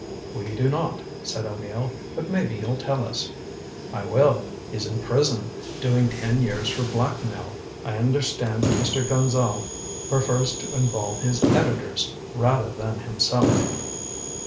"We do not," said O'Neill, "but maybe you'll tell us." "I will. He's in prison, doing ten years for blackmail. I understand that Mr. Gonzale prefers to involve his editors, rather than himself."